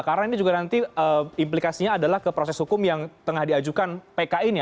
karena ini juga nanti implikasinya adalah ke proses hukum yang tengah diajukan pki ini